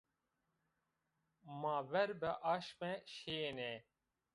Ma ver bi aşme şîyêne